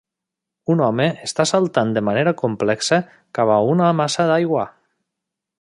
Un home està saltant de manera complexa cap a una massa d'aigua.